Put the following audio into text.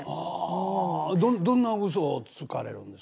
ああどんなウソをつかれるんですか？